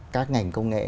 các ngành công nghệ